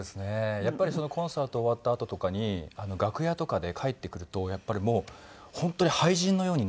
やっぱりコンサート終わったあととかに楽屋とかで帰ってくるとやっぱりもう本当に廃人のようになってるんですよ。